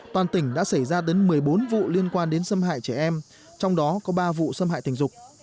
toàn tỉnh đã xảy ra đến một mươi bốn vụ liên quan đến xâm hại trẻ em trong đó có ba vụ xâm hại tình dục